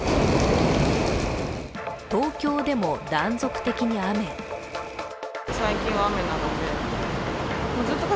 東京でも断続的に雨。